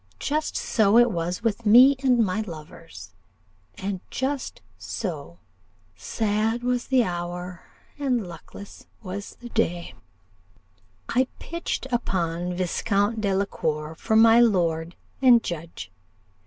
Just so it was with me and my lovers, and just so 'Sad was the hour, and luckless was the day,' I pitched upon Viscount Delacour for my lord and judge.